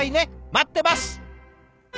待ってます！